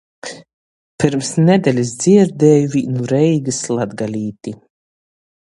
Pyrms nedelis dzierdieju vīnu Reigys latgalīti.